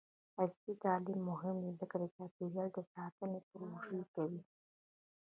عصري تعلیم مهم دی ځکه چې د چاپیریال ساتنې پروژې کوي.